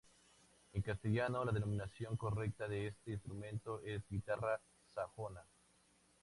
En castellano, la denominación correcta de este instrumento es "guitarra sajona".